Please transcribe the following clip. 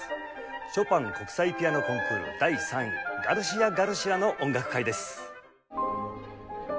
「ショパン国際ピアノコンクール第３位ガルシア・ガルシアの音楽会」です。